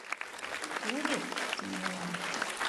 — Йәгеҙ, — тине ул аҙаҡ.